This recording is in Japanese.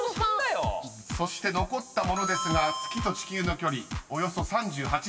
［そして残ったものですが月と地球の距離およそ３８万ｋｍ］